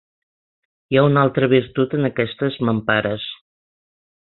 Hi ha una altra virtut en aquestes mampares.